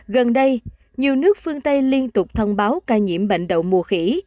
gần đây nhiều nước phương tây liên tục thông báo ca nhiễm bệnh đậu mùa khỉ